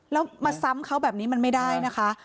แล้วมาซ้ำเขาแบบนี้มันไม่ได้นะคะ